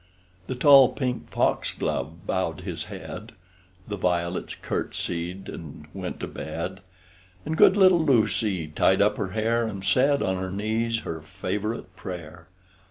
The tall pink foxglove bowed his head; The violets courtesied, and went to bed; And good little Lucy tied up her hair, And said, on her knees, her favorite prayer.